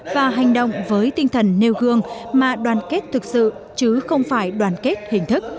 và hành động với tinh thần nêu gương mà đoàn kết thực sự chứ không phải đoàn kết hình thức